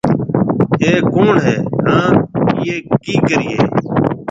اَي ڪوُڻ هيَ هانَ اَي ڪِي ڪريَ هيَ۔